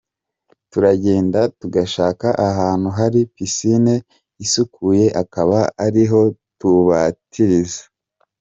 Turagenda tugashaka ahantu hari piscine isukuye akaba ariho tubatiriza.